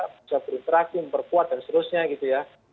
bisa berinteraksi memperkuat dan seterusnya gitu ya